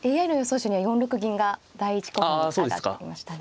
手には４六銀が第１候補に挙がっていましたね。